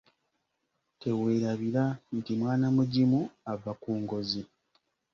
Teweerabira nti mwana mugimu ava ku ngozi.